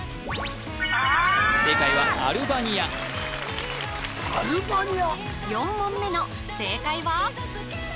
あっ正解はアルバニアアルバニア４問目の正解は？